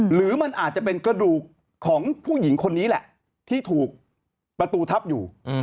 หรือมันอาจจะเป็นกระดูกของผู้หญิงคนนี้แหละที่ถูกประตูทับอยู่